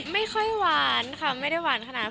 ไม่ค่อยหวานค่ะไม่ได้หวานขนาด